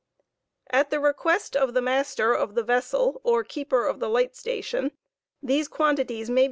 At the request of the master of the vessel or keeper of the light station, these quan titles may.